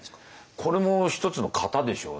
これも１つの型でしょうね。